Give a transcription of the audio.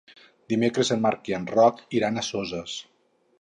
Dimecres en Marc i en Roc iran a Soses.